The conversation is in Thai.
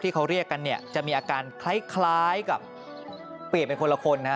ที่เขาเรียกกันจะมีอาการคล้ายกับเปรียบเป็นคนละคน